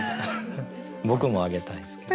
僕も挙げたいですけど。